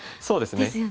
そうですね。